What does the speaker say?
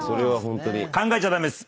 考えちゃ駄目です。